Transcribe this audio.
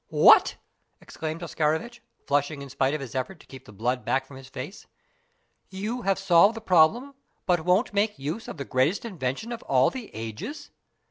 "What!" exclaimed Oscarovitch, flushing in spite of his effort to keep the blood back from his face. "You have solved the problem, and won't make use of the greatest invention of all the ages!